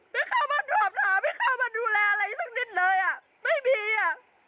ไม่เข้ามาดวบหาไม่เข้ามาดูแลอะไรสักนิดเลยอ่ะไม่มีอ่ะ